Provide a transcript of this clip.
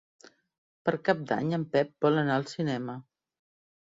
Per Cap d'Any en Pep vol anar al cinema.